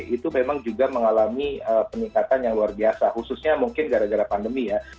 itu memang juga mengalami peningkatan yang luar biasa khususnya mungkin gara gara pandemi ya